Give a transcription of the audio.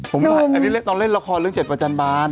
น้องหนุ่มน้องหนุ่มน่ารักป่ะน้องหนุ่มตอนเล่นรคอเรื่องเจ็ดประจานบาน